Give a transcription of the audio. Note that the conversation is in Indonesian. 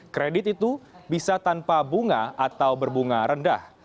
kredit itu bisa tanpa bunga atau berbunga rendah